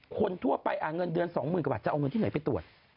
คนทั่วไปเงินเดือน๒๐๐๐กว่าบาทจะเอาเงินที่ไหนไปตรวจ